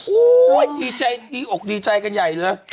ดีใจดีอกดีใจกันใหญ่เลย